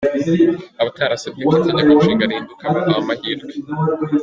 Abatarasabye ko itegeko nshinga rihinduka bahawe amahirwe .